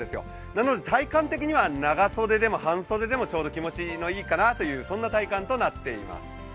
なので体感的には長袖でも半袖でもちょうど気持ちいいかなという体感となっています。